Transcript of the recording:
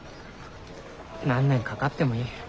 何年かかってもいい。